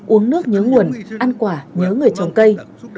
uống nước nhớ nguồn ăn quả nhớ người trồng cây